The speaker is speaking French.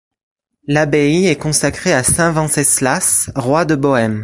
L'abbaye est consacrée à saint Venceslas, roi de Bohême.